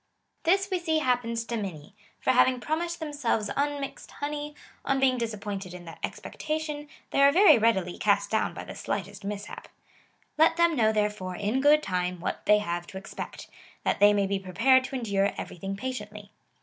This we see happens to many, for having promised themselves unmixed honey, on being disaj)pointed in that expectation, they are very readily cast down by the slightest mishaj). ^ Let them know, there fore, in good time, what they have to expect, that they may be prepared to endure everything patiently.